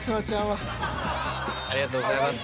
ありがとうございます。